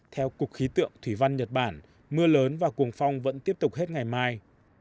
theo cục khí tượng thủy văn nhật bản mưa lớn và cuồng phong vẫn tiếp tục hết ngày mai